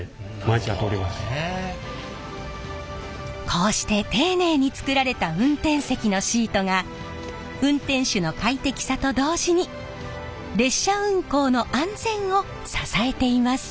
こうして丁寧に作られた運転席のシートが運転手の快適さと同時に列車運行の安全を支えています。